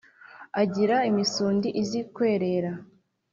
agira imisundi izi kwerera :